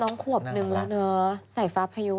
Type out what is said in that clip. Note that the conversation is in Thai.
น้องขวบหนึ่งใส่ฟ้าพยุ